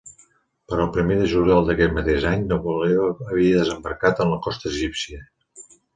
Per al primer de juliol d'aquest mateix any, Napoleó havia desembarcat en la costa egípcia.